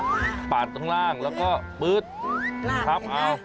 นี่ปะทาด้างล่างแล้วก็ปืดทับล่างไปค่ะ